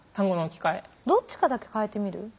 どっちかだけかえてみる？